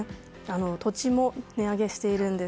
土地も値上げしているんです。